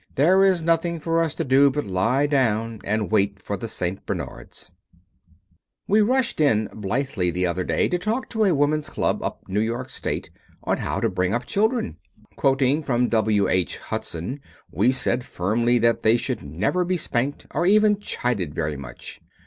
There is nothing for us to do but lie down and wait for the St. Bernards. We rushed in blithely the other day to talk to a woman's club up New York State on how to bring up children. Quoting from W. H. Hudson, we said firmly that they should never be spanked or even chided very much.